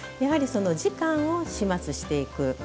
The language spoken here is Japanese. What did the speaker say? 時間を始末していく。